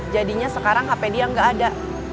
jadinya sekarang hp dia nggak ada